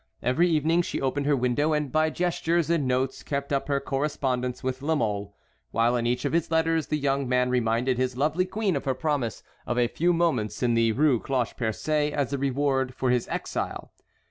Every evening she opened her window and by gestures and notes kept up her correspondence with La Mole, while in each of his letters the young man reminded his lovely queen of her promise of a few moments in the Rue Cloche Percée as a reward for his exile.